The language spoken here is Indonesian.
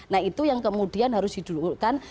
nah itu yang kemudian harus diduluhurkan